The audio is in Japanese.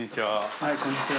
はいこんにちは。